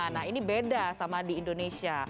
nah ini beda sama di indonesia